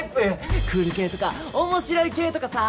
クール系とか面白い系とかさ。